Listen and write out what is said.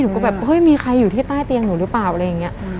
ก็แบบเฮ้ยมีใครอยู่ที่ใต้เตียงหนูหรือเปล่าอะไรอย่างนี้